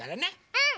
うん！